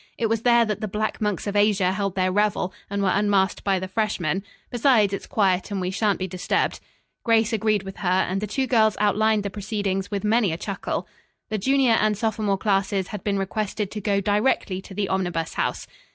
"It was there that the 'Black Monks of Asia' held their revel and were unmasked by the freshmen. Besides, it's quiet and we shan't be disturbed." Grace agreed with her, and the two girls outlined the proceedings with many a chuckle. The junior and sophomore classes had been requested to go directly to the Omnibus House.